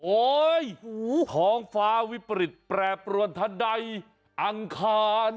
โอ๊ยท้องฟ้าวิปริตแปรปรวนทันใดอังคาร